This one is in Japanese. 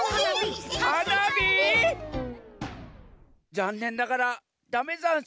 ざんねんながらだめざんす。